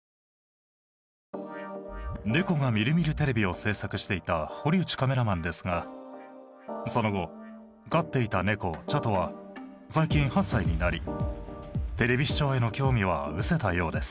「ネコがみるみるテレビ」を制作していた堀内カメラマンですがその後飼っていたネコちゃとは最近８歳になりテレビ視聴への興味はうせたようです。